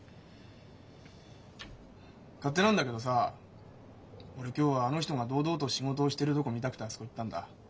勝手なんだけどさ俺今日はあの人が堂々と仕事をしてるところ見たくてあそこ行ったんだ。